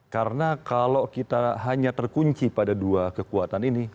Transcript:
karena kalau kita hanya terkunci pada dua kekuatan ini